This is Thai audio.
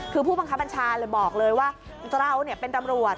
คือผู้บังคับบัญชาเลยบอกเลยว่าเราเป็นตำรวจ